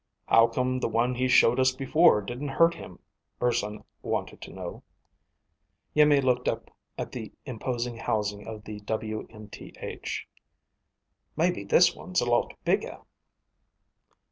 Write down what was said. "How come the one he showed us before didn't hurt him?" Urson wanted to know. Iimmi looked up at the imposing housing of WMTH. "Maybe this one's a lot bigger."